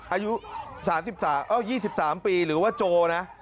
อายุ๒๓ปีหรือว่าโจนะ